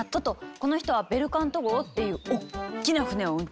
この人はベルカント号っていうおっきな船を運転してたのよ。